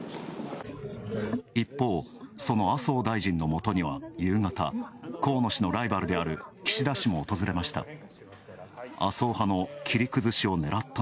一方、その麻生大臣のもとには夕方、河野氏のライバルである岸田氏も訪れました。